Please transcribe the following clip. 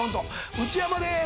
内山です。